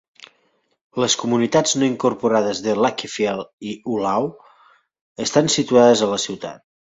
Les comunitats no incorporades de Lakefield i Ulao estan situades a la ciutat.